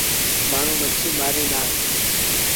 مآڻهوٚݩ مڇيٚ مآرين دآ۔